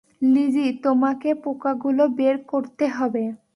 Lessee, তোমাকে পোকাগুলো বের করতে হবে।